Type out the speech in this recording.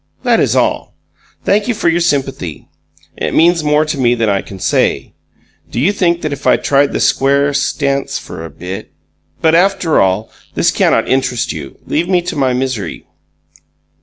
That is all. Thank you for your sympathy. It means more to me than I can say. Do you think that if I tried the square stance for a bit.... But, after all, this cannot interest you. Leave me to my misery.